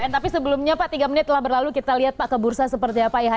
tapi sebelumnya pak tiga menit telah berlalu kita lihat pak ke bursa seperti apa ya